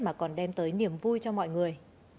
mà còn đem tới niềm vui cho mọi người